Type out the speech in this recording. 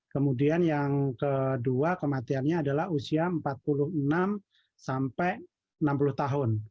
kemudian yang kedua kematiannya adalah usia empat puluh enam sampai enam puluh tahun